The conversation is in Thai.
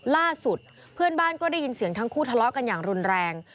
ล่าสุดเพื่อนบ้านก็ได้ยินเสียงทั้งคู่ทะเลาะกันอย่างรุนแรง